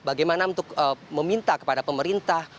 bagaimana untuk meminta kepada pemerintah